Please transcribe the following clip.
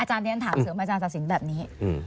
อาจารย์นี้ถามเสริมอาจารย์ศาสนิทแบบนี้